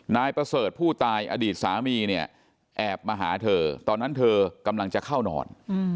นายประเสริฐผู้ตายอดีตสามีเนี่ยแอบมาหาเธอตอนนั้นเธอกำลังจะเข้านอน